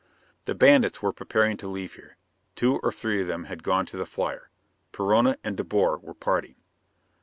The bandits were preparing to leave here. Two or three of them had gone to the flyer. Perona and De Boer were parting.